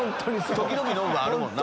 時々ノブあるもんな。